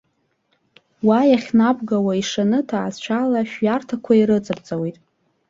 Уа иахьнабгауа ишаны ҭаацәала шәиарҭақәа ирыҵабҵауеит.